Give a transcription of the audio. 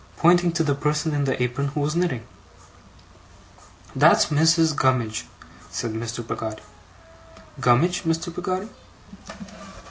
pointing to the person in the apron who was knitting. 'That's Missis Gummidge,' said Mr. Peggotty. 'Gummidge, Mr. Peggotty?